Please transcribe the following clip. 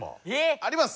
あります！